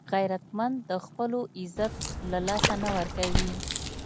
غیرتمند د خپلو عزت له لاسه نه ورکوي